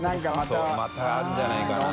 そうまたあるんじゃないかな？